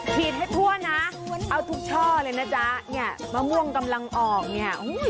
ฉีดให้ทั่วนะเอาทุกช่อเลยนะจ๊ะเนี่ยมะม่วงกำลังออกเนี่ย